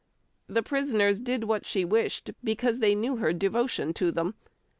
The prisoners did what she wished, because they knew her devotion to them.